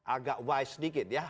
agak wise sedikit ya